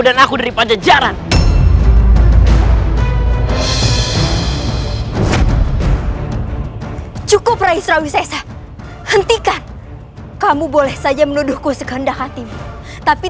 dan aku dari panjajaran cukup rai surawi hentikan kamu boleh saja menuduhku sekandang hatimu tapi